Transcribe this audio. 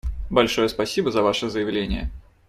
Большое спасибо за ваше заявление.